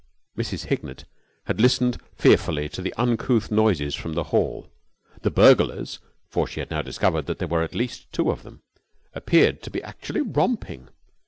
Mrs. Hignett had listened fearfully to the uncouth noises from the hall. The burglars she had now discovered that there were at least two of them appeared to be actually romping.